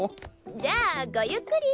じゃあごゆっくり！